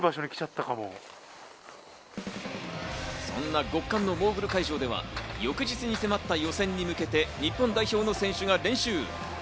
そんな極寒のモーグル会場では翌日に迫った予選に向けて日本代表の選手が練習。